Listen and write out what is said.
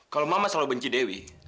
kalau mama selalu benci dewi